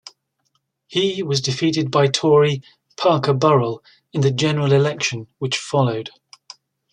He was defeated by Tory Parker Burrell in the general election which followed.